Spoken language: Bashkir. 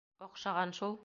Оҡшаған шул!